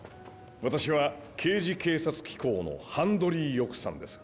私は刑事警察機構のハンドリー・ヨクサンです。